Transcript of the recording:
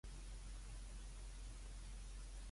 我真的要醉了！